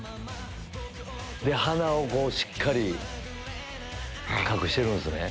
で鼻をしっかり隠してるんすね。